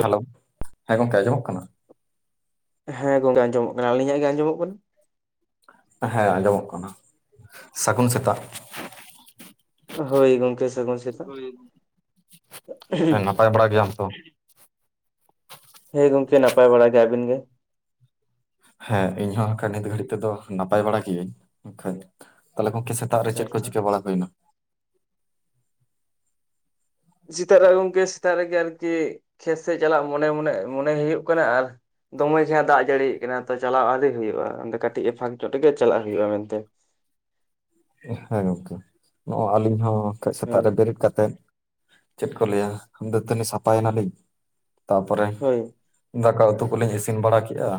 Hello ᱦᱮᱸ ᱜᱚᱝᱠᱮ ᱟᱸᱡᱚᱢᱚᱜ ᱠᱟᱱᱟ? ᱦᱮᱸ ᱜᱚᱝᱠᱮ ᱟᱸᱡᱚᱢᱚᱜ ᱠᱟᱱᱟ ᱟᱞᱤᱧᱟᱜ ᱜᱮ ᱟᱸᱡᱚᱢᱚᱜ ᱠᱟᱱᱟ? ᱦᱮᱸ ᱟᱸᱡᱚᱢᱚᱜ ᱠᱟᱱᱟ ᱥᱟᱹᱜᱩᱱ ᱥᱮᱛᱟᱜ ᱦᱳᱭ ᱜᱚᱝᱠᱮ ᱥᱟᱹᱜᱩᱱ ᱥᱮᱛᱟᱜ ᱯᱟᱭ ᱵᱟᱲᱟ ᱜᱮᱭᱟᱢ ᱛᱚ? ᱦᱮᱸ ᱜᱚᱝᱠᱮ ᱱᱟᱯᱟᱭ ᱵᱟᱲᱟ ᱜᱮ ᱟᱹᱵᱤᱱ ᱜᱮ ᱦᱮᱸ ᱤᱧ ᱦᱚᱸ ᱱᱤᱛ ᱜᱷᱟᱹᱲᱤᱡ ᱛᱮᱫᱚ ᱱᱟᱯᱟᱭ ᱵᱟᱲᱟ ᱜᱤᱭᱟᱹᱧ ᱢᱮᱱ ᱛᱟᱦᱞᱮ ᱜᱚᱝᱠᱮ ᱥᱮᱛᱟᱜ ᱨᱮ ᱟᱪᱪᱷᱟ ᱪᱮᱫ ᱠᱚ ᱟᱪᱪᱷᱟ ᱪᱤᱠᱟᱹ ᱵᱟᱲᱟ ᱦᱩᱭᱱᱟ? ᱥᱮᱛᱟᱜ ᱨᱮ ᱜᱚᱝᱠᱮ ᱥᱮᱛᱟᱜ ᱨᱮᱜᱮ ᱟᱨᱠᱤ ᱠᱷᱮᱛ ᱥᱮᱫ ᱪᱟᱞᱟᱜ ᱢᱚᱱᱮ ᱢᱚᱱᱮ ᱢᱚᱱᱮ ᱦᱩᱭᱩᱜ ᱠᱟᱱᱟ ᱟᱨ ᱫᱚᱢᱮ ᱡᱟᱦᱟᱸ ᱫᱟᱜ ᱡᱟᱹᱲᱤ ᱠᱟᱱᱟᱭ ᱛᱚ ᱪᱟᱞᱟᱣ ᱟᱣᱨᱤ ᱦᱩᱭᱩᱜᱼᱟ ᱠᱟᱹᱴᱤᱡ ᱮ ᱯᱷᱟᱸᱠ ᱧᱚᱜ ᱞᱮᱜᱮ ᱪᱟᱞᱟᱜ ᱦᱩᱭᱩᱜᱼᱟ ᱢᱮᱱᱛᱮ ᱦᱮᱸ ᱜᱚᱝᱠᱮ ᱱᱚᱜᱼᱚᱭ ᱟᱹᱞᱤᱧ ᱦᱚᱸ ᱠᱟᱹᱡ ᱥᱮᱛᱟᱜ ᱦᱳᱭ ᱨᱮ ᱵᱮᱨᱮᱫ ᱠᱟᱛᱮᱫ ᱪᱮᱫ ᱠᱚ ᱞᱟᱹᱭᱟ ᱫᱟᱹᱛᱟᱹᱱᱤ ᱥᱟᱯᱷᱟᱭ ᱱᱟᱞᱤᱧ ᱛᱟᱯᱚᱨᱮ ᱦᱳᱭ ᱫᱟᱠᱟ ᱩᱛᱩ ᱠᱚᱞᱤᱧ ᱤᱥᱤᱱ ᱵᱟᱲᱟ ᱠᱮᱫᱮᱜᱼᱟ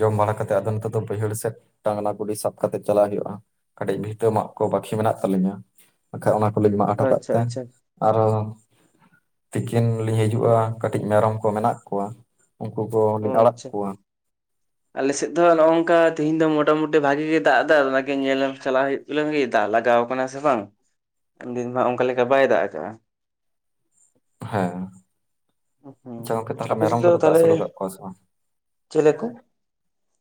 ᱡᱚᱢ ᱵᱟᱲᱟ ᱠᱟᱛᱮᱫ ᱟᱫᱚ ᱱᱤᱛᱚᱜ ᱫᱚ ᱵᱟᱹᱭᱦᱟᱹᱲ ᱥᱮᱫ ᱴᱟᱝᱱᱟ ᱜᱩᱰᱤ ᱥᱟᱵ ᱠᱟᱛᱮᱫ ᱪᱟᱞᱟᱜ ᱦᱩᱭᱩᱜᱼᱟ, ᱠᱟᱹᱴᱤᱡ ᱵᱷᱤᱛᱟᱹ ᱢᱟᱜ ᱠᱚ ᱵᱟᱠᱷᱤ ᱢᱮᱱᱟᱜ ᱛᱟᱞᱤᱧᱟ ᱵᱟᱠᱷᱟᱡ ᱚᱱᱟ ᱠᱚᱞᱤᱧ ᱢᱟᱜ ᱦᱚᱴᱚ ᱠᱟᱜ ᱟᱪᱪᱷᱟ ᱛᱮ, ᱟᱪᱪᱷᱟ ᱟᱨᱚ ᱛᱤᱠᱤᱱ ᱞᱤᱧ ᱦᱤᱡᱩᱜᱼᱟ ᱠᱟᱹᱴᱤᱡ ᱢᱮᱨᱚᱢ ᱠᱚ ᱢᱮᱱᱟᱜ ᱠᱚᱣᱟ, ᱩᱱᱠᱩ ᱠᱚ ᱞᱤᱧ ᱟᱲᱟᱜ ᱠᱚᱣᱟ᱾ ᱟᱞᱮᱥᱮᱫ ᱫᱚ ᱱᱚᱜ ᱱᱚᱝᱠᱟ ᱛᱮᱤᱦᱤᱧ ᱫᱚ ᱢᱚᱴᱟᱢᱩᱴᱤ ᱵᱷᱟᱜᱤ ᱜᱮ ᱫᱟᱜ ᱫᱟᱭ ᱚᱱᱟᱜᱮ ᱧᱮᱞᱮᱢ ᱪᱟᱞᱟᱜ ᱦᱩᱭᱩᱜᱟ᱾ [unintelligible] ᱜᱤ ᱫᱟᱜ ᱞᱟᱜᱟᱣ ᱠᱟᱱᱟ ᱥᱮ ᱵᱟᱝ ᱩᱱ ᱫᱤᱱ ᱢᱟ ᱚᱱᱠᱟ ᱞᱮᱠᱟ ᱵᱟᱭ ᱫᱟᱜ ᱠᱟᱜᱼᱟ ᱾ ᱦᱮᱸ ᱦᱩᱸ ᱟᱪᱪᱷᱟ ᱜᱚᱝᱠᱮ ᱛᱟᱦᱞᱮ ᱟᱯᱮ ᱥᱮᱫ ᱢᱮᱨᱚᱢ ᱠᱚ ᱫᱚ ᱯᱮ ᱛᱟᱦᱚᱞᱮ ᱟᱹᱥᱩᱞ ᱠᱟᱜ ᱠᱚᱣᱟ ᱥᱮ ᱵᱟᱝ ᱾ ᱪᱮᱞᱮ ᱠᱚ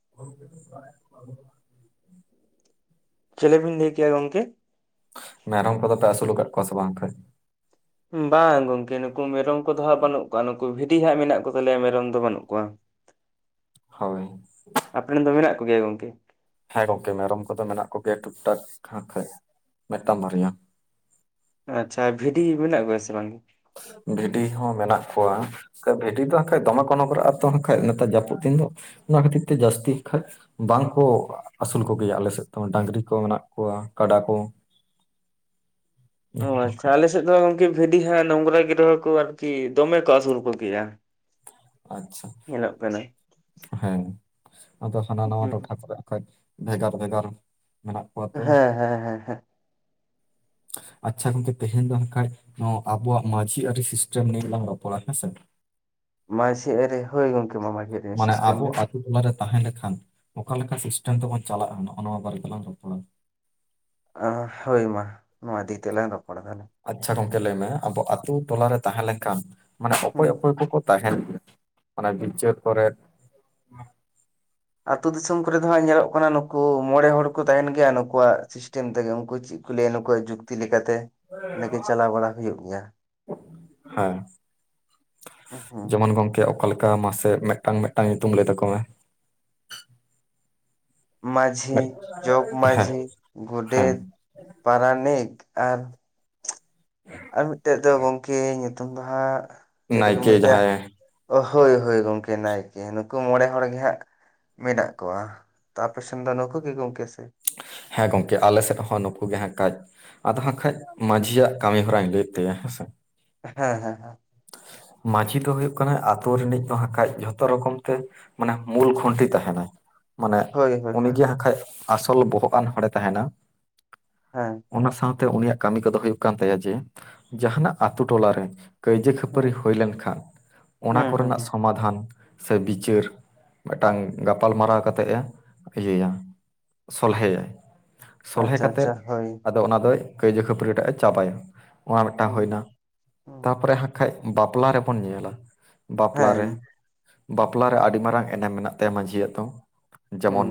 [inaudible] ᱪᱮᱞᱮ ᱵᱤᱱ ᱞᱟᱹᱭ ᱠᱮᱜ-ᱟ ᱜᱚᱝᱠᱮ ᱾ ᱢᱮᱨᱚᱢ ᱠᱚ ᱫᱚ ᱯᱮ ᱟᱹᱥᱩᱞ ᱟᱠᱟᱜ ᱠᱚᱣᱟ ᱥᱮ ᱵᱟᱝ [unintelligible] ᱵᱟᱝ ᱜᱚᱝᱠᱮ ᱱᱩᱠᱩ ᱢᱮᱨᱚᱢ ᱠᱚᱫᱚ ᱦᱟᱸᱜ ᱵᱟᱹᱱᱩᱜ ᱠᱚᱣᱟ ᱱᱩᱠᱩ ᱵᱷᱤᱰᱤ ᱦᱟᱸᱜ ᱢᱮᱱᱟᱜ ᱠᱚ ᱛᱟᱞᱮᱭᱟ ᱢᱮᱨᱚᱢ ᱫᱚ ᱵᱟᱹᱱᱩᱜ ᱠᱚᱣᱟ ᱾ ᱦᱳᱭ ᱟᱯᱮ ᱨᱮᱱ ᱫᱚ ᱢᱮᱱᱟᱜ ᱠᱚᱜᱮ ᱭᱟ ᱜᱚᱝᱠᱮ ᱾ ᱦᱮᱸ ᱜᱚᱝᱠᱮ ᱢᱮᱨᱚᱢ ᱠᱚᱫᱚ ᱢᱮᱱᱟᱜ ᱠᱚᱜᱮᱭᱟ ᱴᱩᱠ ᱴᱟᱠ ᱦᱟᱸᱜ ᱠᱷᱟᱡᱽ ᱢᱤᱫ ᱴᱟᱝ ᱵᱟᱨᱭᱟ ᱾ ᱟᱪᱪᱷᱟ ᱵᱷᱤᱰᱤ ᱢᱮᱱᱟᱜ ᱠᱚᱣᱟ ᱥᱮ ᱵᱟᱝ ᱜᱮ ᱾ ᱵᱷᱤᱰᱤ ᱦᱚᱸ ᱢᱮᱱᱟᱜ ᱠᱚᱣᱟ ᱾ ᱵᱷᱤᱰᱤ ᱫᱚ ᱦᱟᱸᱜ ᱠᱷᱟᱡ ᱫᱚᱢᱮ ᱠᱚ ᱱᱚᱝᱜᱟᱨᱟᱜᱼᱟ ᱟᱨ ᱛᱚ ᱦᱟᱸᱜ ᱠᱷᱟᱡ ᱱᱮᱛᱟᱨ ᱡᱟᱹᱯᱩᱫ ᱫᱤᱱ ᱫᱚ ᱚᱱᱟ ᱠᱷᱟᱹᱛᱤᱨ ᱛᱮ ᱡᱟᱹᱥᱛᱤ ᱠᱷᱟᱡ ᱵᱟᱝ ᱠᱚ ᱟᱹᱥᱩᱞ ᱠᱚᱜᱮ ᱭᱟ ᱟᱞᱮ ᱥᱮᱫ ᱫᱚ ᱰᱟᱹᱝᱨᱤ ᱠᱚ ᱢᱮᱱᱟᱜ ᱠᱚᱣᱟ ᱠᱟᱰᱟ ᱠᱚ ᱾ [inaudible] ᱚ ᱟᱪᱪᱷᱟ ᱠᱷᱟᱡ ᱟᱞᱮᱥᱮᱫ ᱫᱚ ᱜᱚᱝᱠᱮ ᱵᱷᱤᱰᱤ ᱦᱟᱸᱜ ᱱᱚᱝᱨᱟ ᱜᱮ ᱨᱮᱦᱚ ᱠᱚ ᱟᱨᱠᱤ ᱫᱚᱢᱮ ᱠᱚ ᱟᱹᱥᱩᱞ ᱠᱚᱜᱮᱭᱟ ᱾ [unintelligible] ᱟᱪᱪᱷᱟ ᱦᱮᱸ ᱟᱫᱚ ᱦᱟᱱᱟ ᱱᱟᱣᱟ ᱴᱚᱴᱷᱟ ᱠᱚᱨᱮ ᱦᱟᱸᱜ ᱠᱷᱟᱡᱽ ᱵᱷᱮᱜᱟᱨ ᱵᱷᱮᱜᱟᱨ ᱢᱮᱱᱟᱜ ᱠᱚᱣᱟ ᱛᱚ ᱦᱮᱸ ᱦᱮᱸ ᱦᱮᱸ ᱦᱮᱸ ᱾ ᱟᱪᱪᱷᱟ ᱜᱚᱝᱠᱮ ᱛᱮᱦᱮᱧ ᱫᱚ ᱦᱟᱸᱜ ᱠᱷᱟᱡ ᱱᱚᱣᱟ ᱟᱵᱚᱣᱟᱜ ᱢᱟᱹᱡᱷᱤ ᱟᱹᱨᱤ ᱥᱤᱥᱴᱮᱢ ᱱᱤᱭᱮᱹ ᱞᱟᱝ ᱨᱚᱯᱚᱲ ᱟ ᱦᱮᱸᱥᱮ ᱾ ᱢᱟᱹᱡᱷᱤ ᱟᱹᱨᱤ ᱦᱳᱭ ᱜᱚᱝᱠᱮ ᱢᱟᱹᱡᱷᱤ ᱢᱟᱱᱮ ᱟᱵᱚ-ᱟ ᱾ ᱚᱠᱟ ᱨᱮ ᱛᱟᱦᱮᱸ ᱞᱮ ᱠᱷᱟᱱ ᱚᱠᱟ ᱞᱮᱠᱟ ᱥᱤᱥᱴᱮᱢ ᱛᱮ ᱵᱚᱱ ᱪᱟᱞᱟᱜᱼᱟ ᱱᱚᱜᱼᱚᱱᱟ ᱵᱟᱨᱮ ᱛᱮᱞᱟᱝ ᱨᱚᱯᱚᱲ-ᱟ ᱾ ᱟᱸ ᱦᱳᱭ ᱢᱟ ᱱᱚᱣᱟ ᱤᱫᱤ ᱠᱟᱛᱮ ᱞᱟᱝ ᱨᱚᱯᱚᱲ-ᱟ ᱱᱟᱜ ᱾ ᱟᱪᱪᱷᱟ ᱜᱚᱝᱠᱮ ᱞᱟᱹᱭ ᱢᱮ ᱟᱵᱚ ᱟᱛᱳ ᱴᱚᱞᱟ ᱨᱮ ᱛᱟᱦᱮᱸ ᱞᱮᱱ ᱠᱷᱟᱱ ᱢᱟᱱᱮ ᱚᱠᱚᱭ ᱦᱩᱸ ᱚᱠᱚᱭ ᱠᱚᱠᱚ ᱛᱟᱦᱮᱱ [unintelligible] ᱚᱱᱮ ᱵᱤᱪᱟᱹᱨ ᱠᱚᱨᱮ ᱾ ᱟᱹᱛᱩ ᱫᱤᱥᱚᱢ ᱠᱚᱨᱮ ᱫᱚ ᱦᱟᱸᱜ ᱧᱮᱞᱚᱜ ᱠᱟᱱᱟ ᱱᱩᱠᱩ ᱢᱚᱬᱮ ᱦᱚᱲ ᱠᱚ ᱛᱟᱦᱮᱱ ᱜᱮᱭᱟ ᱱᱩᱠᱩᱣᱟᱜ ᱥᱤᱥᱴᱮᱢ ᱛᱮᱜᱮ ᱩᱱᱠᱩ ᱪᱤᱜ ᱠᱚ ᱞᱟᱹᱭᱟ ᱱᱩᱠᱩᱣᱟᱜ ᱡᱩᱠᱛᱤ ᱞᱮᱠᱟ ᱛᱮ ᱾ ᱱᱮ ᱜᱮ ᱪᱟᱞᱟᱣ ᱵᱟᱲᱟ ᱦᱩᱭᱩᱜ ᱜᱮᱭᱟ ᱾ ᱦᱮᱸ ᱦᱩᱸ ᱡᱮᱢᱚᱱ ᱜᱚᱝᱠᱮ ᱚᱠᱟ ᱞᱮᱠᱟ ᱢᱟᱥᱮ ᱢᱤᱫ ᱴᱟᱝ ᱢᱤᱫ ᱴᱟᱝ ᱧᱩᱛᱩᱢ ᱞᱟᱹᱭ ᱛᱟᱠᱚ ᱢᱮ ᱾ ᱢᱟᱹᱡᱷᱤ ᱢᱤᱫ- ᱡᱚᱜᱽ ᱦᱮᱸ ᱢᱟᱹᱡᱷᱤ ᱦᱮᱸ ᱜᱚᱰᱮᱛ ᱯᱟᱨᱟᱱᱤᱠ ᱟᱨ [inaudible] ᱟᱨ ᱢᱤᱫ ᱴᱮᱡ ᱫᱚ ᱜᱚᱝᱠᱮ ᱧᱩᱛᱩᱢ ᱫᱚ ᱦᱟᱸᱜ ᱪᱮᱞᱮ ᱠᱚ ᱱᱟᱭᱠᱮ ᱢᱮᱛᱟᱭᱟ ᱡᱟᱦᱟᱸᱭ ᱾ ᱚ ᱦᱳᱭ ᱦᱳᱭ ᱜᱚᱝᱠᱮ ᱱᱟᱭᱠᱮ ᱱᱩᱠᱩ ᱢᱚᱬᱮ ᱦᱚᱲ ᱜᱮ ᱦᱟᱸᱜ ᱢᱮᱱᱟᱜ ᱠᱚᱣᱟ ᱛᱚ ᱟᱯᱮᱥᱮᱱ ᱫᱚ ᱱᱩᱠᱩ ᱜᱮ ᱜᱚᱝᱠᱮ ᱥᱮ ᱦᱮᱸ ᱜᱚᱝᱠᱮ ᱟᱞᱮ ᱥᱮᱫ ᱦᱚᱸ ᱱᱩᱠᱩ ᱜᱮ ᱦᱟᱸᱜ ᱠᱟᱡ ᱾ ᱟᱫᱚ ᱦᱟᱸᱜ ᱠᱷᱟᱡ ᱢᱟᱹᱡᱷᱤᱭᱟᱜ ᱠᱟᱹᱢᱤ ᱦᱚᱨᱟᱧ ᱞᱟᱹᱭ ᱛᱟᱭᱟ ᱦᱮᱸᱥᱮ ᱾ ᱦᱮᱸ ᱦᱮᱸ ᱦᱮᱸ ᱾ ᱢᱟᱹᱡᱷᱤ ᱫᱚ ᱦᱩᱭᱩᱜ ᱠᱟᱱᱟᱭ ᱟᱛᱳ ᱨᱤᱱᱤᱡ ᱫᱚ ᱦᱟᱸᱜ ᱠᱷᱟᱡ ᱡᱷᱚᱛᱚ ᱨᱚᱠᱚᱢ ᱛᱮ ᱢᱟᱱᱮ ᱢᱩᱞ ᱠᱷᱩᱱᱴᱤ ᱛᱟᱦᱮ ᱱᱟᱭ ᱾ ᱢᱟᱱᱮ ᱦᱳᱭ ᱦᱳᱭ ᱦᱳᱭ ᱩᱱᱤᱜᱮ ᱟᱠᱷᱟᱡ ᱟᱥᱚᱞ ᱵᱚᱦᱚᱜ ᱟᱱ ᱦᱚᱲᱮ ᱛᱟᱦᱮ ᱱᱟ ᱾ ᱦᱮᱸ ᱚᱱᱟ ᱥᱟᱶ ᱛᱮ ᱩᱱᱤᱭᱟᱜ ᱠᱟᱹᱢᱤ ᱠᱚᱫᱚ ᱦᱩᱭᱩᱜ ᱠᱟᱱ ᱛᱟᱭᱟ ᱡᱮ ᱡᱟᱦᱟᱱᱟᱜ ᱟᱛᱳ ᱴᱚᱞᱟ ᱨᱮ ᱠᱟᱹᱭᱡᱟᱹ ᱠᱷᱟᱹᱯᱟᱹᱨᱤ ᱦᱩᱸ ᱦᱩᱭ ᱞᱮᱱ ᱠᱷᱟᱱ ᱚᱱᱟ ᱠᱚ ᱦᱩᱸ ᱨᱮᱱᱟᱜ ᱦᱩᱸ ᱥᱚᱢᱟ ᱫᱷᱟᱱ ᱥᱮ ᱵᱤᱪᱟᱹᱨ ᱢᱤᱜ ᱴᱟᱝ ᱜᱟᱯᱟᱞ ᱢᱟᱨᱟᱣ ᱠᱟᱛᱮᱜ ᱮ ᱤᱭᱟᱹᱭᱟ᱾ ᱥᱚᱞᱦᱮᱭᱟ ᱥᱚᱞᱦᱮ ᱟᱪᱪᱷᱟ ᱠᱟᱛᱮᱫ ᱟᱪᱪᱷᱟ ᱦᱳᱭ ᱟᱫᱚ ᱚᱱᱟ ᱫᱚᱭ ᱠᱟᱹᱭᱡᱟᱹ ᱠᱷᱟᱹᱯᱟᱹᱨᱤ ᱴᱟᱜ ᱮ ᱪᱟᱵᱟᱭᱟ, ᱱᱚᱣᱟ ᱢᱤᱫ ᱴᱟᱝ ᱦᱩᱸ ᱦᱩᱭ ᱱᱟ ᱦᱩᱸ ᱛᱟ ᱯᱚᱨᱮ ᱠᱷᱟᱡ ᱵᱟᱯᱞᱟ ᱨᱮᱵᱚᱱ ᱧᱮᱞᱟ ᱵᱟᱯᱞᱟ, ᱵᱟᱯᱞᱟ ᱨᱮ ᱦᱮᱸ ᱵᱟᱯᱞᱟ ᱨᱮ ᱟᱹᱰᱤ ᱢᱟᱨᱟᱝ ᱮᱱᱮᱢ ᱢᱮᱱᱟᱜ ᱛᱟᱭᱟ ᱢᱟᱹᱡᱷᱤ ᱭᱟᱜ ᱫᱚ, ᱦᱩᱸ ᱡᱮᱢᱚᱱ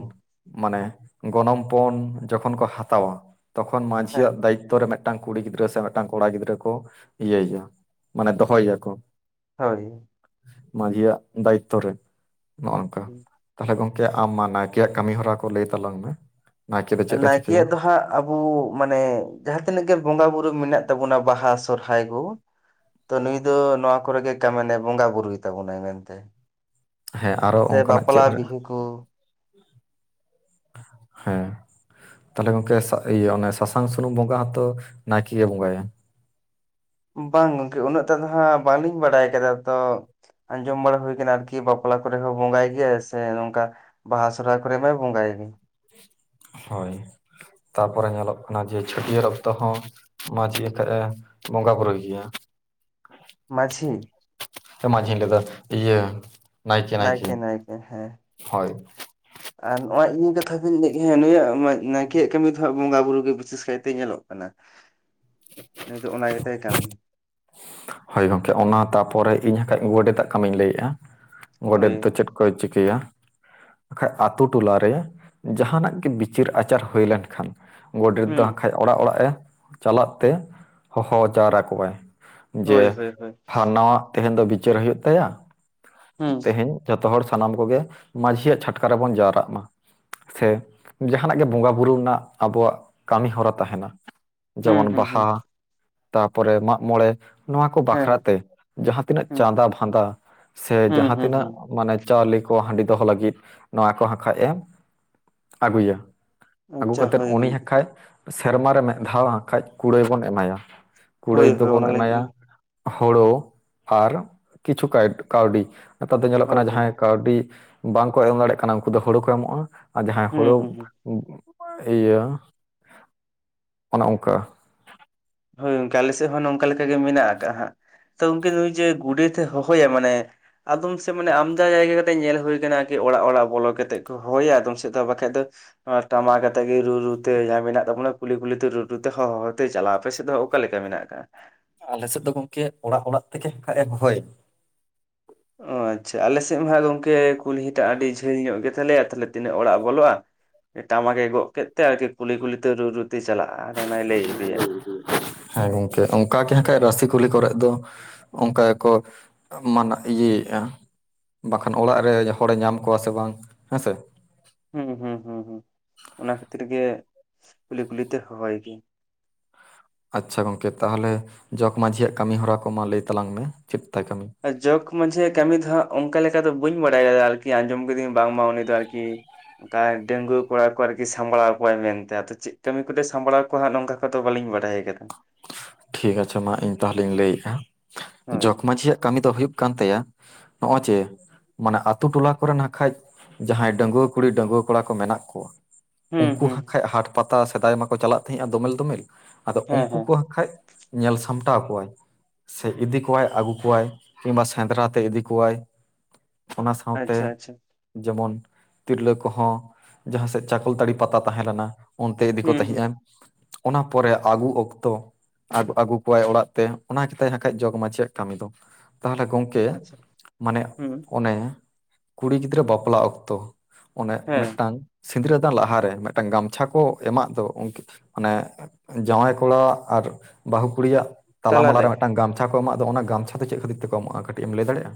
ᱢᱟᱱᱮ ᱜᱚᱱᱚᱝ ᱯᱚᱱ ᱡᱚᱠᱷᱚᱱ ᱠᱚ ᱦᱟᱛᱟᱣᱟ ᱛᱚᱠᱷᱚᱱ ᱢᱟᱹᱡᱷᱤ ᱭᱟᱜ ᱫᱟᱭᱤᱛᱛᱚ ᱨᱮ ᱢ ᱢᱤᱷ ᱴᱟᱝ ᱠᱩᱲᱤ ᱜᱤᱫᱽᱨᱟᱹ ᱥᱮ ᱢᱤᱜ ᱴᱟᱝ ᱠᱚᱲᱟ ᱜᱤᱫᱽᱨᱟᱹ ᱠᱚ ᱤᱭᱟᱹᱭ ᱭᱟ ᱢᱟᱱᱮ ᱫᱚᱦᱚᱭ ᱮᱭᱟᱠᱚ᱾ ᱦᱚᱭ᱾ ᱢᱟᱹᱡᱷᱤᱭᱟᱜ ᱫᱟᱭᱤᱛᱛᱚ ᱨᱮ ᱱᱚᱜᱚᱱᱠᱟ᱾ ᱛᱟᱦᱚᱞᱮ ᱜᱚᱝᱠᱮ ᱟᱢ ᱢᱟ ᱱᱟᱭᱠᱮᱭᱟᱜ ᱠᱟᱹᱢᱤ ᱦᱚᱨᱟ ᱠᱚ ᱞᱟᱹᱭ ᱛᱟᱞᱟᱝ ᱢᱮ᱾ ᱱᱟᱭᱠᱮ ᱫᱚ ᱪᱮᱫ ᱮ ᱪᱤᱠᱟᱹᱭᱟ ᱱᱟᱭᱠᱮᱭᱟᱜ ᱫᱚ ᱦᱟᱸᱜ ᱟᱵᱩ ᱢᱟᱱᱮ ᱡᱟᱦᱟᱸ ᱛᱤᱱᱟᱹᱜ ᱜᱮ ᱵᱚᱸᱜᱟ ᱵᱩᱨᱩ ᱢᱮᱱᱟᱜ ᱛᱟᱵᱚᱱᱟ ᱵᱟᱦᱟ ᱥᱚᱦᱨᱟᱭ ᱠᱩ᱾ ᱛᱚ ᱱᱩᱭ ᱫᱚ ᱱᱚᱣᱟ ᱠᱚᱨᱮᱜᱮ ᱠᱟᱢᱮᱱᱮ ᱵᱚᱸᱜᱟ ᱵᱩᱨᱩᱭ ᱛᱟᱵᱚᱱᱟᱭ ᱢᱮᱱᱛᱮ᱾ ᱦᱮᱸ ᱟᱨᱚ ᱥᱮ ᱚᱱᱠᱟᱱᱟᱜ ᱪᱮᱫ ᱵᱟᱯᱞᱟ ᱵᱤᱦᱟᱹ ᱠᱚ ᱦᱮᱸ᱾ ᱛᱟᱞᱦᱮ ᱜᱚᱝᱠᱮ ᱥᱟᱜ ᱤᱭᱟᱹ ᱚᱱᱮ ᱥᱟᱥᱟᱝ ᱥᱩᱱᱩᱢ ᱵᱚᱸᱜᱟ ᱦᱚᱛᱚ ᱱᱟᱭᱠᱮ ᱜᱮ ᱵᱚᱸᱜᱟᱭᱟ᱾ ᱵᱟᱝ ᱜᱚᱝᱠᱮ ᱩᱱᱟᱹᱜ ᱴᱟᱜ ᱫᱚ ᱦᱟᱜ ᱵᱟᱞᱤᱧ ᱵᱟᱲᱟᱭ ᱠᱟᱫᱟ ᱛᱚ ᱟᱸᱡᱚᱢ ᱵᱟᱲᱟ ᱦᱩᱭ ᱠᱟᱱᱟ ᱟᱨᱠᱤ ᱵᱟᱯᱞᱟ ᱠᱚᱨᱮ ᱦᱚᱸ ᱵᱚᱸᱜᱟᱭ ᱜᱮᱭᱟ ᱥᱮ ᱱᱚᱝᱠᱟ ᱵᱟᱦᱟ ᱥᱚᱦᱚᱨᱟᱭ ᱠᱚᱨᱮ ᱢᱟᱭ ᱵᱚᱸᱜᱟ ᱭᱜᱮ᱾ ᱦᱳᱭ ᱛᱟᱯᱚᱨᱮ ᱧᱮᱞᱚᱜ ᱠᱟᱱᱟ ᱡᱮ ᱪᱷᱟᱹᱴᱭᱟᱹᱨ ᱚᱠᱛᱚ ᱦᱚᱸ ᱢᱟᱹᱡᱷᱤ ᱟᱛᱮᱜ-ᱮ ᱵᱚᱸᱜᱟ ᱵᱩᱨᱩᱭ ᱜᱮᱭᱟ᱾ ᱢᱟᱹᱪᱷᱤ? ᱢᱟᱡᱷᱤᱧ ᱞᱟᱹᱭᱫᱟ ᱤᱭᱟᱹ ᱱᱟᱭᱠᱮ ᱱᱟᱭᱠᱮ ᱦᱳᱭ᱾ ᱟᱨ ᱱᱚᱜᱚᱭ ᱤᱧᱤᱜ ᱠᱟᱛᱷᱟ ᱜᱤᱧ ᱞᱟᱹᱭᱜᱟ-ᱟ ᱦᱮ ᱱᱩᱭᱟᱜ ᱢᱟᱭ ᱱᱟᱭᱠᱮᱭᱟᱜ ᱠᱟᱹᱢᱤ ᱫᱚᱦᱟᱸᱜ ᱵᱚᱸᱜᱟ ᱵᱩᱨᱩ ᱜᱮ ᱵᱤᱥᱮᱥ ᱠᱟᱭᱛᱮ ᱧᱮᱞᱚᱜ ᱠᱟᱱᱟ ᱱᱩᱤ ᱫᱚ ᱚᱱᱟ ᱜᱮᱛᱟᱭ ᱠᱟᱹᱢᱤ᱾ ᱦᱳᱭ ᱜᱚᱝᱠᱮ ᱚᱱᱟ ᱛᱟᱯᱚᱨᱮ ᱤᱧ ᱦᱟᱠᱟᱡ ᱜᱚᱰᱮᱛᱟᱜ ᱠᱟᱹᱢᱤᱧ ᱞᱟᱹᱭᱜ-ᱟ ᱜᱚᱰᱮᱛ ᱫᱚ ᱦᱳᱭ ᱪᱮᱫ ᱠᱚᱭ ᱪᱤᱠᱟᱹᱭᱟ ᱠᱷᱟᱡ ᱟᱛᱩ ᱴᱚᱞᱟ ᱨᱮ ᱡᱟᱦᱟᱱᱟᱜ ᱜᱮ ᱵᱤᱪᱟᱹᱨ ᱟᱪᱟᱨ ᱦᱩᱭ ᱞᱮᱱᱠᱷᱟᱱ ᱜᱚᱰᱮᱛ ᱫᱚ ᱦᱩᱸ ᱟᱠᱷᱟᱡ ᱚᱲᱟᱜ ᱚᱲᱟᱜ ᱮ ᱪᱟᱞᱟᱜ ᱛᱮ ᱦᱚᱦᱚ ᱡᱟᱣᱨᱟ ᱠᱚᱣᱟᱭ᱾ ᱡᱮ ᱦᱳᱭ ᱦᱳᱭ ᱦᱳᱭ ᱯᱷᱟᱱᱟᱱᱟ ᱣᱟᱜ ᱛᱮᱦᱮᱧ ᱫᱚ ᱵᱤᱪᱟᱹᱨ ᱦᱩᱭᱩᱜ ᱛᱟᱭᱟ ᱦᱩᱸ ᱛᱮᱦᱮᱧ ᱡᱚᱛᱚ ᱦᱚᱲ ᱥᱟᱱᱟᱢ ᱠᱚᱜᱮ ᱢᱟᱡᱷᱤᱭᱟᱜ ᱪᱷᱟᱴᱠᱟ ᱨᱮᱵᱚᱱ ᱡᱟᱣᱨᱟᱜ ᱢᱟ᱾ ᱥᱮ ᱡᱟᱦᱟᱱᱟᱜ ᱜᱮ ᱵᱚᱸᱜᱟ ᱵᱩᱨᱩ ᱨᱮᱱᱟᱜ ᱟᱵᱚᱣᱟᱜ ᱠᱟᱹᱢᱤᱦᱚᱨᱟ ᱛᱟᱦᱮᱱᱟ᱾ ᱦᱩᱸ ᱡᱮᱢᱚᱱ ᱦᱩᱸ ᱦᱩᱸ ᱵᱟᱦᱟ, ᱛᱟᱨᱯᱚᱨᱮ ᱢᱟᱜ ᱢᱚᱬᱮ ᱱᱚᱣᱟ ᱠᱚ ᱦᱮᱸ ᱵᱟᱠᱷᱨᱟ ᱦᱮᱸ ᱛᱮ ᱡᱟᱦᱟᱸ ᱛᱤᱱᱟᱹᱜ ᱦᱩᱸ ᱪᱟᱸᱫᱟ ᱵᱷᱟᱫᱟ ᱥᱮ ᱦᱩᱸ ᱡᱟᱦᱟᱸ ᱦᱩᱸ ᱛᱤᱱᱟᱹᱜ ᱦᱩᱸ ᱢᱟᱱᱮ ᱪᱟᱣᱞᱮ ᱠᱚ ᱦᱟᱺᱰᱤ ᱫᱚᱦᱚ ᱞᱟᱹᱜᱤᱫ ᱱᱚᱣᱟ ᱠᱚ ᱦᱟᱠᱷᱟᱡ ᱮᱢ ᱟᱹᱜᱩᱭᱟ᱾ ᱟᱹᱜᱩ ᱟᱪᱪᱷᱟ ᱠᱟᱛᱮᱫ ᱦᱳᱭ ᱩᱱᱤ ᱜᱚᱝᱠᱮ ᱦᱟᱠᱷᱟᱡ ᱥᱮᱨᱢᱟ ᱨᱮ ᱢᱤᱫ ᱫᱷᱟᱣ ᱦᱟᱠᱷᱟᱡ ᱠᱩᱲᱟᱹᱭ ᱵᱚᱱ ᱮᱢᱟᱭᱟ᱾ ᱦᱳᱭ ᱠᱩᱲᱟᱹᱭ ᱦᱳᱭ ᱫᱚᱵᱚᱱ ᱚᱱᱟ ᱮᱢᱟᱭᱟ ᱞᱟᱹᱜᱤᱫ ᱦᱳᱲᱳ ᱟᱨ ᱠᱤᱪᱷᱩ ᱠᱟᱭᱤᱴ ᱠᱟᱹᱣᱰᱤ ᱱᱮᱛᱟᱨ ᱫᱚ ᱧᱮᱞᱚᱜ ᱦᱳᱭ ᱠᱟᱱᱟ ᱦᱳᱭ ᱡᱟᱦᱟᱸᱭ ᱠᱟᱹᱣᱰᱤ ᱵᱟᱝᱠᱚ ᱮᱢ ᱫᱟᱲᱮᱜ ᱠᱟᱱᱟ ᱩᱱᱠᱩ ᱫᱚ ᱦᱳᱲᱳ ᱠᱚ ᱮᱢᱚᱜᱼᱟ ᱟᱨ ᱡᱟᱦᱟᱸᱭ ᱦᱩᱸ ᱦᱳᱲᱳ ᱦᱩᱸ ᱦᱩᱸ ᱤᱭᱟᱹ ᱚᱱᱮ ᱚᱝᱠᱟ᱾ ᱦᱳᱭ ᱩᱝᱠᱮ ᱟᱞᱮ ᱥᱮᱜ ᱦᱚᱸ ᱱᱚᱝᱠᱟ ᱞᱮᱠᱟ ᱜᱮ ᱢᱮᱱᱟᱜ ᱟᱠᱟᱜᱼᱟ ᱦᱟᱜ ᱛᱚ ᱜᱚᱝᱠᱮ ᱩᱱᱭ ᱡᱮ ᱜᱩᱰᱮᱛ ᱛᱮ ᱦᱚᱦᱚᱭᱟ ᱢᱟᱱᱮ ᱟᱫᱚᱢ ᱥᱮᱜ ᱢᱟᱱᱮ ᱟᱢᱫᱟ ᱡᱟᱭᱜᱟ ᱠᱟᱛᱮᱜ ᱧᱮᱞ ᱦᱩᱭ ᱠᱟᱱᱟ ᱠᱤ ᱚᱲᱟᱜ ᱚᱲᱟᱜ ᱵᱚᱞᱚ ᱠᱟᱛᱮᱜ ᱠᱚ ᱦᱚᱦᱚᱭᱟ ᱟᱫᱚᱢ ᱥᱮᱫ ᱫᱚ ᱵᱟᱠᱷᱟᱡ ᱫᱚ ᱟᱨ ᱴᱟᱢᱟᱠ ᱟᱛᱮᱜ ᱜᱮ ᱨᱩ ᱨᱩᱛᱮ ᱡᱟᱦᱟᱸ ᱢᱮᱱᱟᱜ ᱛᱟᱵᱚᱱᱟ ᱠᱩᱞᱦᱤ ᱠᱩᱞᱦᱤ ᱛᱮ ᱨᱩ ᱨᱩ ᱛᱮ ᱦᱚᱸ ᱦᱚᱸᱦᱚᱸ ᱛᱮ ᱪᱟᱞᱟᱣ ᱟᱯᱮᱥᱮᱜ ᱫᱚ ᱚᱠᱟᱞ ᱞᱮᱠᱟ ᱢᱮᱱᱟᱜ ᱟᱠᱟᱜᱼᱟ? ᱟᱞᱮᱥᱮᱜ ᱫᱚ ᱜᱚᱝᱠᱮ ᱚᱲᱟᱜ ᱚᱲᱟᱜ ᱛᱮᱜᱮ ᱠᱷᱟᱡ ᱮ ᱦᱚᱦᱚᱭ ᱚ ᱟᱪᱪᱷᱟ ᱟᱞᱮ ᱥᱮᱜ ᱦᱟᱸᱡ ᱜᱚᱝᱠᱮ ᱠᱩᱞᱦᱤᱴᱟᱜ ᱟᱹᱰᱤ ᱡᱷᱟᱹᱞ ᱧᱚᱜ ᱜᱮᱛᱟᱞᱮᱭᱟ ᱛᱟᱦᱞᱮ ᱛᱤᱱᱟᱹᱜ ᱚᱲᱟᱜ ᱵᱚᱞᱚᱜᱼᱟ ᱴᱟᱢᱟᱠᱮ ᱜᱚᱜ ᱠᱮᱫ ᱛᱮ ᱟᱨᱠᱤ ᱠᱩᱞᱦᱤ ᱠᱩᱞᱦᱤ ᱛᱮ ᱨᱩ-ᱨᱩ ᱛᱮ ᱪᱟᱞᱟᱜᱼᱟ ᱟᱨ ᱟᱱᱟᱭ ᱞᱟᱹᱭ ᱤᱫᱤᱭᱟᱭ᱾ ᱦᱮᱸ ᱜᱚᱝᱠᱮ ᱚᱱᱠᱟᱜᱮ ᱦᱟᱸᱠᱷᱟᱡ ᱨᱟᱹᱥᱤ ᱠᱩᱞᱦᱤ ᱠᱚᱨᱮᱜ ᱫᱚ ᱚᱱᱠᱟ ᱜᱮᱠᱚ ᱢᱟᱱᱟᱜ ᱤᱭᱟᱹᱭᱟᱹᱭᱜᱼᱟ, ᱵᱟᱠᱷᱟᱱ ᱚᱲᱟᱜ ᱨᱮ ᱦᱚᱲᱮ ᱧᱟᱢ ᱠᱚᱣᱟ ᱥᱮ ᱵᱟᱝ ᱦᱮᱸᱥᱮ? ᱦᱩᱸ ᱦᱩᱸ ᱦᱩᱸ ᱦᱩᱸ ᱚᱱᱟ ᱠᱷᱟᱹᱛᱤᱨ ᱜᱮ ᱠᱩᱞᱦᱤ ᱠᱩᱞᱦᱤ ᱛᱮ ᱦᱚᱦᱚᱭ ᱜᱮ᱾ ᱟᱪᱪᱷᱟ ᱜᱚᱝᱠᱮ ᱛᱟᱦᱚᱞᱮ ᱡᱚᱜᱽ ᱢᱟᱹᱡᱷᱤᱭᱟᱜ ᱠᱟᱹᱢᱤ ᱦᱚᱨᱟ ᱠᱚ ᱢᱟ ᱞᱟᱹᱭ ᱛᱟᱞᱟᱝ ᱢᱮ ᱪᱮᱫ ᱛᱟᱭ ᱠᱟᱹᱢᱤ? ᱡᱚᱜ ᱢᱟᱡᱷᱤᱟᱜ ᱠᱟᱹᱢᱤ ᱫᱚ ᱦᱟᱸᱜ ᱚᱱᱠᱟ ᱞᱮᱠᱟ ᱫᱚ ᱵᱟᱹᱧ ᱵᱟᱲᱟᱭᱟ ᱟᱨᱠᱤ ᱟᱸᱡᱚᱢ ᱠᱟᱹᱫᱟᱹᱧ ᱵᱟᱝᱢᱟ ᱩᱱᱤ ᱫᱚ ᱟᱨᱠᱤ ᱚᱠᱟᱨᱮ ᱰᱟᱹᱝᱜᱩᱭᱟᱹ ᱠᱚᱲᱟ ᱠᱚ ᱟᱨᱠᱤ ᱥᱟᱢᱵᱽᱲᱟᱣ ᱠᱚᱣᱟᱭ ᱢᱮᱱᱛᱮ ᱟᱫᱚ ᱪᱮᱜ ᱠᱟᱹᱢᱤ ᱠᱚᱫᱚᱭ ᱥᱟᱢᱵᱽᱲᱟᱣ ᱠᱩ ᱦᱟᱸᱜ ᱱᱚᱝᱠᱟ ᱠᱚᱫᱚ ᱵᱟᱹᱞᱤᱧ ᱵᱟᱰᱟᱭ ᱟᱠᱟᱫᱟ᱾ ᱴᱷᱤᱠ ᱟᱪᱷᱮ ᱢᱟ ᱤᱧ ᱛᱟᱦᱚᱞᱮᱧ ᱞᱟᱹᱭᱮᱫᱟ ᱦᱳᱭ ᱡᱚᱜᱽ ᱢᱟᱺᱡᱷᱤ-ᱟᱜ ᱠᱟᱹᱢᱤ ᱫᱚ ᱦᱩᱭᱩᱜ ᱠᱟᱱ ᱛᱟᱭᱟ ᱱᱚᱜᱼᱚᱭ ᱪᱮ ᱢᱟᱱᱮ ᱟᱹᱛᱩ ᱴᱚᱞᱟ ᱠᱚᱨᱮ ᱱᱟ ᱠᱷᱟᱡ ᱡᱟᱦᱟᱸᱭ ᱰᱟᱺᱜᱩᱣᱟᱹ ᱠᱩᱲᱤ ᱰᱟᱺᱜᱩᱣᱟᱹ ᱠᱚᱲᱟ ᱠᱚ ᱢᱮᱱᱟᱜ ᱠᱚᱣᱟ ᱦᱩᱸ ᱩᱱᱠᱩ ᱦᱩᱸ ᱦᱟᱠᱟᱡ ᱦᱟᱴ ᱯᱟᱛᱟ ᱥᱮᱫᱟᱭ ᱢᱟᱠᱚ ᱪᱟᱞᱟᱜ ᱛᱟᱦᱮᱸᱜᱼᱟ ᱫᱚᱢᱮᱞ ᱫᱚᱢᱮᱞ ᱟᱫᱚ ᱦᱮᱸ ᱩᱱᱠᱩ ᱦᱮᱸ ᱠᱚ ᱠᱷᱟᱡ ᱧᱮᱞ ᱥᱟᱢᱴᱟᱣ ᱠᱚᱣᱟᱭ, ᱥᱮ ᱤᱫᱤ ᱠᱚᱣᱟᱭ ᱟᱹᱜᱩ ᱠᱚᱣᱟᱭ ᱠᱤᱢᱵᱟ ᱥᱮᱸᱫᱽᱨᱟ ᱛᱮ ᱤᱫᱤ ᱠᱚᱣᱟᱭ, ᱚᱱᱟ ᱥᱟᱶᱛᱮ ᱟᱪᱪᱷᱟ ᱟᱪᱪᱷᱟ ᱡᱮᱢᱚᱱ ᱛᱤᱨᱞᱟᱹ ᱠᱚᱦᱚᱸ ᱡᱟᱦᱟᱸ ᱥᱮᱫ ᱪᱟᱠᱚᱞᱛᱟᱹᱲᱤ ᱯᱟᱛᱟ ᱛᱟᱦᱮᱸ ᱞᱮᱱᱟ, ᱚᱱᱛᱮ ᱤᱫᱤ ᱠᱚ ᱦᱩᱸ ᱦᱩᱸ ᱛᱟᱦᱮᱸᱜᱼᱟ ᱚᱱᱟ ᱯᱚᱨᱮ ᱟᱹᱜᱩ ᱚᱠᱛᱚ ᱟᱹᱜᱩ ᱠᱚᱣᱟᱭ ᱚᱲᱟᱜ ᱛᱮ ᱚᱱᱟ ᱜᱮᱛᱟᱭ ᱦᱟᱠᱷᱟᱡ ᱡᱚᱜᱽ ᱢᱟᱹᱡᱷᱤᱭᱟᱜ ᱠᱟᱹᱢᱤ ᱫᱚ ᱛᱟᱦᱚᱞᱮ ᱜᱚᱝᱠᱮ ᱮ ᱟᱪᱪᱷᱟ ᱢᱟᱱᱮ ᱦᱩᱸ ᱚᱱᱮ ᱠᱩᱲᱤ ᱜᱤᱫᱽᱨᱟᱹ ᱵᱟᱯᱞᱟ ᱚᱠᱛᱚ ᱚᱱᱮ ᱦᱮᱸ ᱢᱤᱫᱴᱟᱝ ᱥᱤᱸᱫᱽᱨᱟᱹᱫᱟᱱ ᱞᱟᱦᱟᱨᱮ ᱢᱤᱫᱴᱟᱝ ᱜᱟᱢᱪᱷᱟ ᱠᱚ ᱮᱢᱟᱜ ᱫᱚ ᱟᱱᱮ ᱡᱟᱶᱟᱭ ᱠᱚᱲᱟᱣᱟᱜ ᱟᱨ ᱵᱟᱹᱦᱩ ᱠᱩᱲᱤᱭᱟᱜ ᱛᱟᱞᱟᱢᱟᱞᱟ ᱛᱟᱞᱟᱨᱮ ᱨᱮ ᱢᱤᱫᱴᱟᱝ ᱜᱟᱢ ᱡᱟᱦᱟ ᱠᱚ ᱮᱢᱟᱜ ᱫᱚ ᱚᱱᱟ ᱜᱟᱢᱪᱷᱟ ᱫᱚ ᱪᱮᱫ ᱠᱷᱟᱹᱛᱤᱨ ᱛᱮ ᱠᱚ ᱮᱢᱟᱜᱼᱟ ᱠᱟᱹᱴᱤᱡ ᱮᱢ ᱞᱟᱹᱭ ᱫᱟᱲᱮᱭᱟᱜᱼᱟ?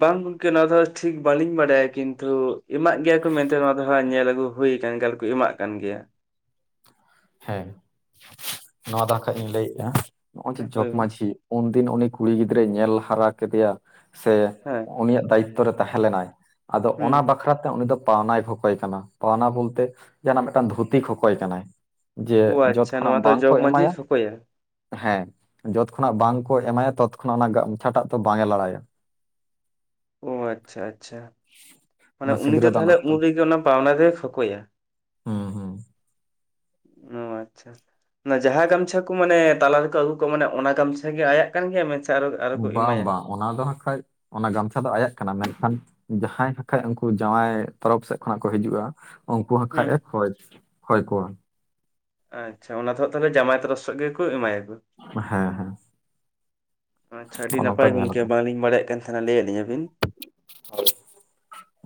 ᱵᱟᱝ ᱜᱚᱝᱠᱮ ᱱᱚᱣᱟ ᱫᱚ ᱴᱷᱤᱠ ᱵᱟᱹᱞᱤᱧ ᱵᱟᱰᱟᱭᱟ ᱠᱤᱱᱛᱩ ᱮᱢᱟᱜ ᱜᱮᱭᱟ ᱠᱚ ᱢᱮᱱᱛᱮ ᱱᱚᱣᱟ ᱫᱚ ᱦᱟᱜ ᱧᱮᱞ ᱟᱹᱜᱩ ᱦᱩᱭ ᱟᱠᱟᱱ ᱜᱮᱭᱟ ᱟᱨᱠᱚ ᱮᱢᱟᱜ ᱠᱟᱱ ᱜᱮᱭᱟ᱾ ᱦᱮᱸ ᱱᱚᱣᱟ ᱫᱚ ᱟᱱᱠᱷᱟᱡ ᱤᱧ ᱞᱟᱹᱭᱮᱜ ᱱᱚᱜᱼᱚᱭ ᱡᱮ ᱦᱳᱭ ᱢᱟ ᱡᱚᱜᱽᱢᱟᱺᱡᱷᱤ ᱩᱱᱫᱤᱱ ᱩᱱᱤ ᱠᱩᱲᱤ ᱜᱤᱫᱽᱨᱟᱹᱭ ᱧᱮᱞ ᱦᱟᱨᱟ ᱠᱮᱫᱮᱭᱟ ᱥᱮ ᱦᱮᱸ ᱩᱱᱤᱭᱟᱜ ᱫᱟᱭᱤᱛᱛᱚ ᱨᱮ ᱛᱟᱦᱮᱸ ᱞᱮᱱᱟᱭ ᱟᱫᱚ ᱦᱩᱸ ᱚᱱᱟ ᱵᱟᱠᱷᱨᱟ ᱛᱮ ᱩᱱᱤ ᱫᱚ ᱯᱟᱣᱱᱟᱭ ᱠᱚᱠᱚᱭ ᱠᱟᱱᱟ ᱯᱟᱣᱱᱟ ᱵᱚᱞᱛᱮ ᱡᱟᱦᱟᱱᱟᱜ ᱢᱤᱫᱴᱟᱝ ᱫᱷᱩᱛᱤ ᱠᱚᱠᱚᱭ ᱠᱟᱱᱟᱭ᱾ ᱡᱮ ᱚ ᱡᱚᱛ ᱟᱪᱪᱷᱟ ᱠᱷᱚᱱᱟᱜ ᱱᱚᱣᱟ ᱫᱚ ᱵᱟᱝᱠᱚ ᱡᱚᱜᱽ ᱢᱟᱺᱡᱷᱤ ᱮᱢᱟᱭᱟ ᱠᱷᱚᱠᱚᱭᱟ ᱦᱮᱸ ᱡᱚᱛ ᱠᱷᱚᱱᱟᱜ ᱵᱟᱝᱠᱚ ᱮᱢᱟᱭᱟ ᱛᱚᱛ ᱠᱷᱚᱱᱟᱜ ᱚᱱᱟ ᱜᱟᱢᱪᱷᱟᱴᱟ ᱛᱚ ᱵᱟᱭ ᱞᱟᱲᱟᱭᱟ᱾ [inaudible] ᱚ ᱟᱪᱪᱷᱟ ᱟᱪᱪᱷᱟ᱾ ᱢᱟᱱᱮ ᱚᱱᱟ ᱩᱱᱤ ᱥᱤᱸᱫᱽᱨᱟᱹ ᱫᱚ ᱫᱟᱱ ᱛᱟᱦᱚᱞᱮ ᱚᱠᱛᱚ ᱩᱱ ᱨᱮᱜᱮ ᱚᱱᱟ ᱯᱟᱣᱱᱟ ᱫᱚᱭ ᱠᱷᱚᱠᱚᱭᱟ, ᱦᱩᱸ ᱦᱩᱸ ᱚ ᱟᱪᱪᱷᱟ᱾ ᱚᱱᱟ ᱡᱟᱦᱟᱸ ᱜᱟᱢᱪᱷᱟ ᱠᱚ ᱢᱟᱱᱮ ᱛᱟᱞᱟ ᱨᱮᱠᱚ ᱟᱹᱜᱩ ᱠᱚᱜᱼᱟ ᱢᱟᱱᱮ ᱚᱱᱟ ᱜᱟᱢᱪᱷᱟ ᱜᱮ ᱟᱭᱟᱜ ᱠᱟᱱ ᱜᱮᱭᱟ ᱟᱨᱚ ᱟᱨᱚ ᱠᱚ ᱵᱟᱝ ᱮᱢᱟᱭᱟ ᱵᱟᱝ ᱚᱱᱟ ᱫᱚ ᱠᱷᱟᱡ ᱚᱱᱟ ᱜᱟᱢᱪᱷᱟ ᱫᱚ ᱟᱭᱟᱜ ᱠᱟᱱᱟ ᱢᱮᱱᱠᱷᱟᱱ ᱡᱟᱦᱟᱸᱭ ᱱᱟᱠᱷᱟᱱᱡ ᱩᱱᱠᱩ ᱡᱟᱶᱟᱭ ᱛᱚᱨᱚᱯ ᱥᱮᱫ ᱠᱷᱚᱱᱟᱜ ᱠᱚ ᱦᱤᱡᱩᱜᱼᱟ, ᱚᱝᱠᱩ ᱦᱟᱸᱡ ᱠᱷᱟᱡ ᱦᱩᱸ ᱮ ᱠᱷᱚᱭ ᱠᱷᱚᱭ ᱠᱚᱣᱟ᱾ ᱟᱪᱪᱷᱟ ᱚᱱᱟ ᱫᱚᱜ ᱛᱟᱦᱚᱞᱮ ᱡᱟᱢᱟᱭ ᱛᱚᱨᱚ ᱥᱮᱫ ᱜᱮᱠᱚ ᱮᱢᱟᱭᱟᱠᱚ᱾ ᱦᱮᱸ ᱦᱮᱸ᱾ ᱟᱪᱪᱷᱟ ᱟᱹᱰᱤ ᱱᱚᱜᱼᱚ ᱱᱚᱝᱠᱟ ᱱᱟᱯᱟᱭ ᱜᱚᱝᱠᱮ ᱵᱟᱝᱞᱤᱧ ᱵᱟᱲᱟᱭᱮᱫ ᱠᱟᱱ ᱛᱟᱦᱮᱱᱟ ᱞᱟᱹᱭ ᱟᱜ ᱞᱤᱧᱟᱹᱵᱤᱱ᱾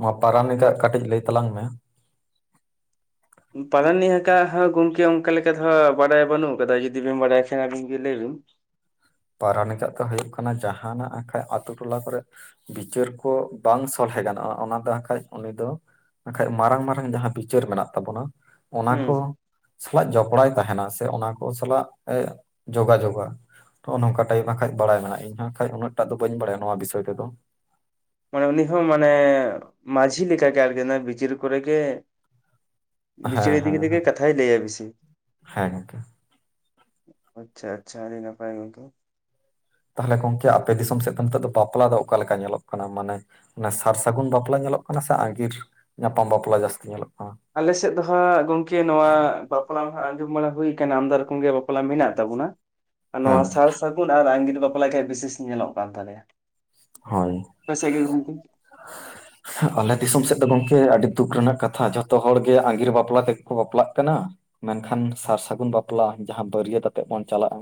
ᱦᱩᱭ ᱯᱟᱨᱟᱱᱤᱠ ᱦᱩᱸ ᱟᱜ ᱠᱟᱹᱴᱤᱡ ᱞᱟᱹᱭ ᱛᱟᱞᱟᱝ ᱢᱮ᱾ ᱯᱟᱨᱟᱱᱤᱠ ᱟᱠᱟᱜ ᱦᱚᱸ ᱜᱚᱝᱠᱮ ᱚᱱᱠᱟ ᱞᱮᱠᱟ ᱫᱚ ᱵᱟᱲᱟᱭ ᱵᱟᱹᱱᱩᱜ ᱟᱠᱟᱫᱟ ᱡᱩᱫᱤ ᱵᱤᱱ ᱵᱟᱲᱟᱭ ᱠᱷᱟᱱ ᱟᱵᱤᱱ ᱜᱮ ᱞᱟᱹᱭ ᱵᱤᱱ᱾ ᱯᱟᱨᱟᱱᱤᱠ ᱟᱜ ᱫᱚ ᱦᱩᱭᱩᱜ ᱠᱟᱱᱟ ᱡᱟᱦᱟᱱᱟᱜ ᱠᱷᱟᱡ ᱟᱛᱳ ᱴᱚᱞᱟ ᱠᱚᱨᱮᱜ ᱵᱤᱪᱟᱹᱨ ᱠᱚ ᱵᱟᱝ ᱥᱚᱞᱦᱮ ᱜᱟᱱᱚᱜᱼᱟ ᱚᱱᱟᱛᱮ ᱠᱷᱟᱡ ᱩᱱᱤ ᱫᱚ ᱵᱟᱠᱷᱟᱡ ᱢᱟᱨᱟᱝ ᱢᱟᱨᱟᱝ ᱡᱟᱦᱟᱸ ᱵᱤᱪᱟᱹᱨ ᱢᱮᱱᱟᱜ ᱛᱟᱵᱚᱱᱟ ᱚᱱᱟ ᱦᱩᱸ ᱠᱚ ᱥᱟᱞᱟᱜ ᱡᱚᱯᱲᱟᱭ ᱛᱟᱦᱮᱱᱟ ᱥᱮ ᱚᱱᱟ ᱠᱚ ᱥᱟᱞᱟᱜ ᱮ ᱡᱳᱜᱟᱡᱳᱜᱟ᱾ ᱱᱚᱜᱼᱚᱭ ᱱᱚᱝᱠᱟ ᱴᱟᱭᱤᱯ ᱟᱠᱷᱟᱡ ᱵᱟᱲᱟᱭ ᱢᱮᱱᱟᱜᱼᱟ ᱤᱧᱦᱚ ᱠᱷᱟᱡ ᱩᱱᱟᱹᱜᱴᱟᱜ ᱫᱚ ᱵᱟᱹᱧ ᱵᱟᱲᱟᱭᱟ ᱱᱚᱣᱟ ᱵᱤᱥᱚᱭ ᱛᱚ, ᱢᱟᱱᱮ ᱩᱱᱤ ᱦᱚᱸ ᱢᱟᱱᱮ ᱢᱟᱹᱡᱷᱤ ᱞᱮᱠᱟᱜᱮ ᱟᱨᱠᱤ ᱵᱤᱪᱟᱹᱨ ᱠᱚᱨᱮ ᱜᱮ ᱵᱤᱪᱟᱹᱨ ᱦᱮᱸ ᱤᱫᱤ ᱦᱮᱸ ᱠᱟᱛᱮ ᱠᱟᱛᱷᱟᱭ ᱞᱟᱹᱭᱟᱭ ᱵᱤᱥᱤ, ᱦᱮᱸ ᱜᱚᱝᱠᱮ ᱟᱪᱪᱷᱟ ᱟᱪᱪᱷᱟ ᱟᱹᱰᱤ ᱱᱟᱯᱟᱭ ᱜᱚᱝᱠᱮ, ᱛᱟᱦᱚᱞᱮ ᱜᱚᱝᱠᱮ ᱟᱯᱮ ᱫᱤᱥᱚᱢ ᱥᱮᱫ ᱫᱚ ᱱᱤᱛᱚᱜ ᱫᱚ ᱵᱟᱯᱞᱟ ᱫᱚ ᱚᱠᱟ ᱞᱮᱠᱟ ᱧᱮᱞᱚᱜ ᱠᱟᱱᱟ ᱢᱟᱱᱮ ᱚᱱᱟ ᱥᱟᱨ ᱥᱟᱹᱜᱩᱱ ᱵᱟᱯᱞᱟ ᱧᱮᱞᱚᱜ ᱠᱟᱱᱟ ᱥᱮ ᱟᱸᱜᱤᱨ ᱧᱟᱯᱟᱢ ᱵᱟᱯᱞᱟ ᱡᱟᱹᱥᱛᱤ ᱧᱮᱞᱚᱜ ᱠᱟᱱᱟ? ᱟᱞᱮ ᱥᱮᱫ ᱫᱚ ᱦᱟᱸᱜ ᱜᱚᱢᱠᱮ ᱱᱚᱣᱟ ᱵᱟᱯᱞᱟ ᱢᱟ ᱦᱟᱜ ᱟᱸᱡᱚᱢ ᱵᱟᱲᱟ ᱦᱩᱭ ᱟᱠᱟᱱᱟ ᱟᱢᱫᱟ ᱨᱚᱠᱚᱢ ᱜᱮ ᱵᱟᱯᱞᱟ ᱢᱮᱱᱟᱜ ᱛᱟᱵᱚᱱᱟ ᱱᱚᱣᱟ ᱦᱮᱸ ᱥᱟᱨ ᱥᱟᱹᱜᱩᱱ ᱟᱨ ᱟᱹᱜᱤᱨ ᱵᱟᱯᱞᱟ ᱜᱮ ᱵᱮᱥ ᱧᱮᱞᱚᱜ ᱠᱟᱱ ᱛᱟᱞᱮᱭᱟ᱾ ᱦᱳᱭ᱾ ᱟᱯᱮ ᱥᱮᱫ ᱜᱮ ᱜᱚᱝᱠᱮ ᱟᱞᱮ ᱫᱤᱥᱚᱢ ᱥᱮᱫ ᱫᱚ ᱜᱚᱝᱠᱮ ᱟᱹᱰᱤ ᱫᱩᱠ ᱨᱮᱱᱟᱜ ᱠᱟᱛᱷᱟ ᱡᱷᱚᱛᱚ ᱦᱚᱲᱜᱮ ᱟᱸᱜᱤᱨ ᱵᱟᱯᱞᱟ ᱛᱮᱜᱮ ᱠᱚ ᱵᱟᱯᱞᱟᱜ ᱠᱟᱱᱟ᱾ ᱢᱮᱱᱠᱷᱟᱱ ᱥᱟᱨ ᱥᱟᱹᱜᱩᱱ ᱵᱟᱯᱞᱟ ᱡᱟᱦᱟᱸ ᱵᱟᱹᱨᱭᱟᱹᱛ ᱟᱛᱮ ᱵᱚᱱ ᱪᱟᱞᱟᱜᱼᱟ,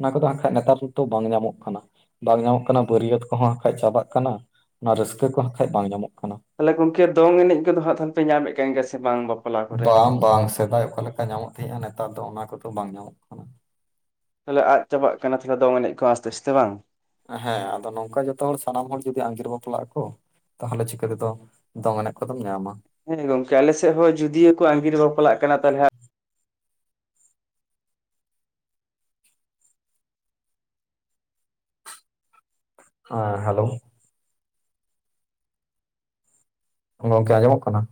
ᱚᱱᱟ ᱠᱚᱫᱚ ᱵᱟᱝᱠᱷᱟᱡ ᱱᱮᱛᱟᱨ ᱫᱚ ᱵᱟᱝ ᱧᱟᱢᱚᱜ ᱠᱟᱱᱟ ᱵᱟᱝ ᱧᱟᱢᱚᱜ ᱠᱟᱱᱟ ᱵᱟᱹᱨᱭᱟᱹᱛ ᱠᱚᱦᱚᱸ ᱟᱜᱠᱷᱟᱡ ᱪᱟᱵᱟᱜ ᱠᱟᱱᱟ ᱚᱱᱟ ᱨᱟᱹᱥᱠᱟᱹ ᱠᱚᱦᱚᱸ ᱠᱷᱟᱡ ᱵᱟᱝ ᱧᱟᱢᱚᱜ ᱠᱟᱱᱟ᱾ ᱛᱟᱦᱚᱞᱮ ᱜᱚᱝᱠᱮ ᱫᱚᱝ ᱮᱱᱮᱡ ᱠᱚᱫᱚ ᱦᱟᱸᱜ ᱛᱟᱦᱞᱮ ᱯᱮ ᱧᱟᱢᱮᱫ ᱠᱟᱱ ᱜᱮᱭᱟ ᱥᱮ ᱵᱟᱝ ᱵᱟᱯ ᱵᱟᱝ ᱵᱟᱝ ᱥᱮᱫᱟᱭ ᱚᱠᱟ ᱞᱮᱠᱟ ᱧᱟᱢᱚᱜ ᱛᱟᱦᱮᱸᱜᱼᱟ ᱱᱮᱛᱟᱨ ᱫᱚ ᱚᱱᱟ ᱠᱚᱫᱚ ᱵᱟᱝ ᱧᱟᱢᱚᱜ ᱠᱟᱱᱟ᱾ ᱛᱟᱦᱚᱞᱮ ᱟᱫ ᱪᱟᱵᱟᱜ ᱠᱟᱱᱟ ᱛᱟᱦᱚᱞᱮ ᱫᱚᱝ ᱮᱱᱮᱡ ᱠᱚ ᱟᱥᱛᱮ ᱟᱥᱛᱮ ᱵᱟᱝ? ᱦᱮᱸ ᱟᱫᱚ ᱱᱚᱝᱠᱟ ᱡᱚᱛᱚ ᱦᱚᱲ ᱥᱟᱱᱟᱢ ᱦᱚᱲ ᱡᱩᱫᱤ ᱟᱸᱜᱤᱨ ᱵᱟᱯᱞᱟᱜ ᱟᱠᱚ ᱛᱟᱦᱚᱞᱮ ᱪᱤᱠᱟᱹ ᱛᱮᱫᱚ ᱫᱚᱝ ᱮᱱᱮᱡ ᱠᱚᱫᱚᱢ ᱧᱟᱢᱟ᱾ ᱦᱮᱸ ᱜᱚᱝᱠᱮ ᱟᱞᱮᱥᱮᱫ ᱦᱚᱸ ᱡᱩᱫᱤᱭᱚ ᱠᱚ ᱟᱸᱜᱤᱨ ᱵᱟᱯᱞᱟᱜ ᱠᱟᱱᱟ ᱛᱟᱦᱚᱞᱮ ᱦᱮᱸ ᱦᱮᱞᱳᱣ, ᱜᱚᱝᱠᱮ ᱟᱸᱡᱚᱢᱚᱜ ᱠᱟᱱᱟ?